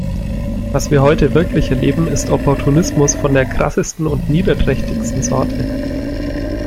Was wir heute wirklich erleben, ist Opportunismus von der krassesten und niederträchtigsten Sorte.